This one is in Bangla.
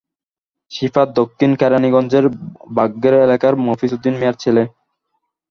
সিফাত দক্ষিণ কেরানীগঞ্জের বাঘৈর এলাকার মফিজ উদ্দিন মিয়ার ছেলে।